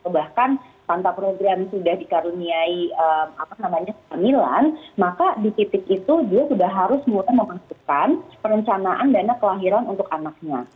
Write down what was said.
bahkan tanpa program sudah dikaruniai apa namanya sembilan maka di titik itu dia sudah harus memutuskan perencanaan dana kelahiran untuk anaknya